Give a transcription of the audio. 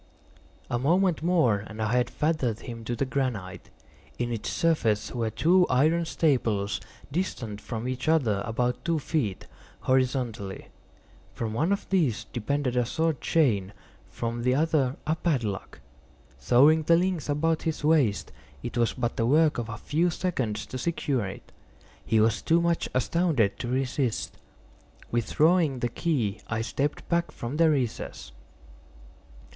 A moment more and I had fettered him to the granite. In its surface were two iron staples, distant from each other about two feet, horizontally. From one of these depended a short chain, from the other a padlock. Throwing the links about his waist, it was but the work of a few seconds to secure it. He was too much astounded to resist. Withdrawing the key I stepped back from the recess.